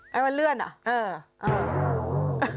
นั่นว่าเลื่อนเหรอเออเลื่อน